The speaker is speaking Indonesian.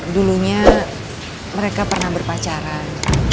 dulunya mereka pernah berpacaran